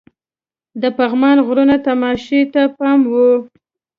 د پغمان غرونو تماشې ته پام وو.